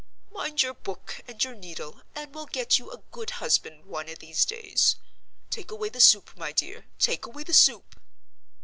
Mind your book and your needle, and we'll get you a good husband one of these days. Take away the soup, my dear, take away the soup!"